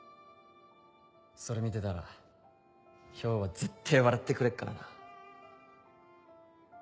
それ見てたら漂はぜってぇ笑ってくれっからな。